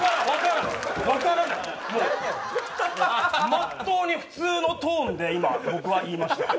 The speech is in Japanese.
まっとうに普通のトーンで今僕は言いました。